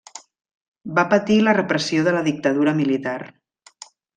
Va patir la repressió de la dictadura militar.